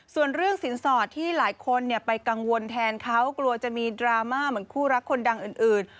ส่วนเรื่องสินสอดที่หลายคนไปกังวลแทนเขากลัวจะมีดราม่าเหมือนคู่รักคนดังอื่น